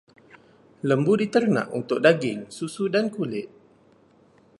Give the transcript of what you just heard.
Lembu diternak untuk daging, susu dan kulit.